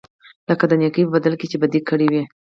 لکه د نېکۍ په بدل کې چې بدي کړې وي.